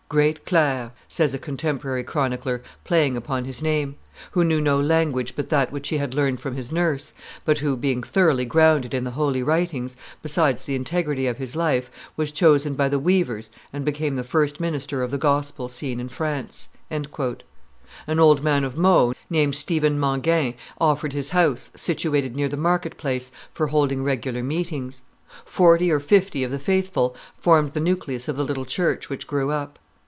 "Great clerc," says a contemporary chronicler, playing upon his name, "who knew no language but that which he had learned from his nurse, but who, being thoroughly grounded in the holy writings, besides the integrity of his life, was chosen by the weavers and became the first minister of the gospel seen in France." An old man of Meaux, named Stephen Mangin, offered his house, situated near the market place, for holding regular meetings. Forty or fifty of the faithful formed the nucleus of the little church which grew up.